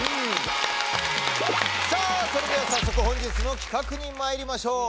さぁそれでは早速本日の企画にまいりましょう。